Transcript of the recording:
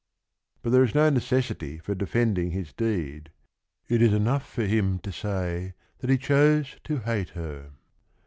" But there is no necessity for defending his deed : it is enough for him to say t hat he chose to h ate her.